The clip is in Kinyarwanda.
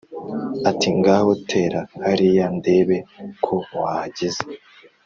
Ati «ngaho tera hariya ndebe ko wahageza»